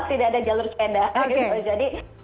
tidak ada jalur sepeda jadi